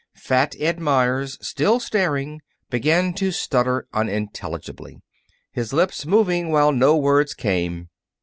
Fat Ed Meyers, still staring, began to stutter unintelligibly, his lips moving while no words came.